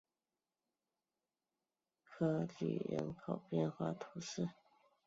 科吕人口变化图示